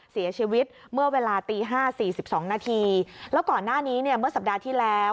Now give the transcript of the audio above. เสียชีวิตเมื่อเวลาตีห้าสี่สิบสองนาทีแล้วก่อนหน้านี้เนี่ยเมื่อสัปดาห์ที่แล้ว